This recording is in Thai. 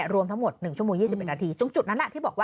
รวมทั้งหมด๑ชั่วโมง๒๑นาที